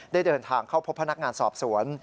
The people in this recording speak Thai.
ได้เดินทางเข้าพบพนักงานสอบสวน